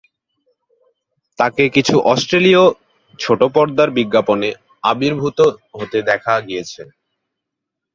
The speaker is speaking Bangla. তাকে কিছু অষ্ট্রিলীয় ছোট পর্দার বিজ্ঞাপনে আবির্ভুত হতে দেখা গিয়েছে।